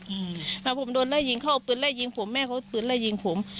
อืมครับผมโดนไล่ยิงเขาเปิดไล่ยิงผมแม่เขาก็เปิดไล่ยิงผม